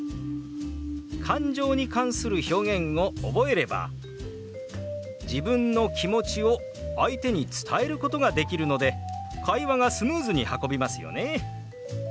感情に関する表現を覚えれば自分の気持ちを相手に伝えることができるので会話がスムーズに運びますよね。